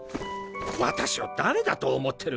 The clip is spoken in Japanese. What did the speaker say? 私を誰だと思ってるんです。